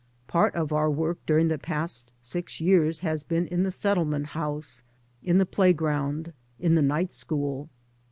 Part of our work during the past six years has been in the settlement house. In the playground, In the night school.